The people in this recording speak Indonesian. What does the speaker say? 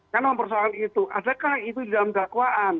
karena persoalan itu adakah itu dalam dakwaan